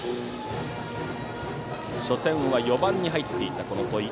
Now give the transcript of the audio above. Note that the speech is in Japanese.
初戦は４番に入った戸井。